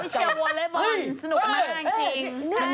เชียร์วอเล็กบอลสนุกมากจริง